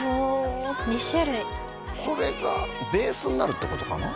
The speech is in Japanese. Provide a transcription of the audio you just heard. ２種類これがベースになるってことかな？